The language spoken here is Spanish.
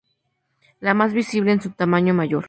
La más visible es su tamaño mayor.